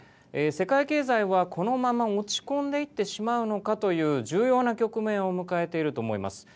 世界経済はこのまま落ち込んでいってしまうのかという重要な局面を迎えていると思います。